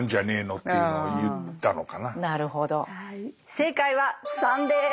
正解は３です。